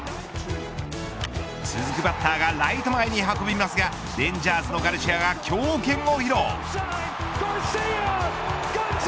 続くバッターがライト前に運びますがレンジャーズのガルシアが強肩を披露。